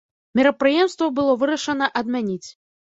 Мерапрыемства было вырашана адмяніць.